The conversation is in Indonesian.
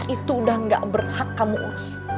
itu udah gak berhak kamu urus